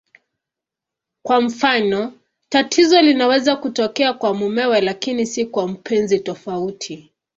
Kwa mfano, tatizo linaweza kutokea kwa mumewe lakini si kwa mpenzi tofauti.